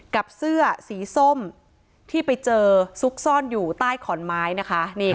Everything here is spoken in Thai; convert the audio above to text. กับเสื้อสีส้มที่ไปเจอซุกซ่อนอยู่ใต้ขอนไม้นะคะ